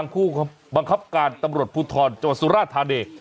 ผู้บังคับการตำรวจภูทรจังหวัดสุราธานี